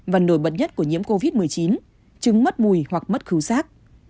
và nổi bật nhất của nhiễm covid một mươi chín chứng mất mùi hoặc mất khứu sát